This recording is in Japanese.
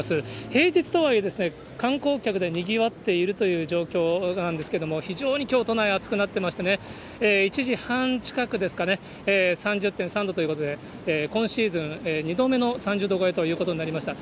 平日とはいえ、観光客でにぎわっているという状況なんですけれども、非常にきょう、都内、暑くなってましてね、１時半近くですかね、３０．３度ということで、今シーズン２度目の３０度超えということになりました。